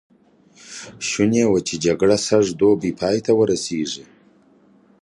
شوني وه چې جګړه سږ دوبی پای ته ورسېږي.